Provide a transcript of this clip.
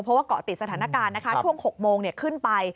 เพราะว่าเกาะติดสถานการณ์นะคะช่วง๖โมงขึ้นไป